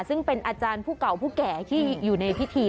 ซึ่งเป็นอาจารย์ผู้เก่าผู้แก่ที่อยู่ในพิธี